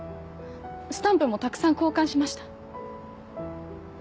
スタンプもたくさん交換しました。